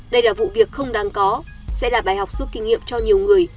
đây là vụ việc không đáng có sẽ là bài học rút kinh nghiệm cho nhiều người